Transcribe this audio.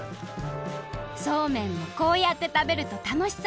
そうめんもこうやってたべるとたのしさ